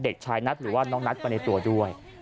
เด็กชายนัทหรือว่าน้องนัทไปในตัวด้วย